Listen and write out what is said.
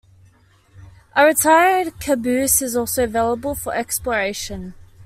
A retired caboose is also available for exploration.